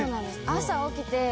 朝起きて。